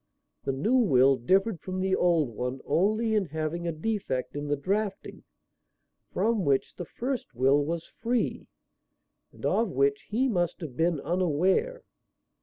The new will differed from the old one only in having a defect in the drafting from which the first will was free, and of which he must have been unaware.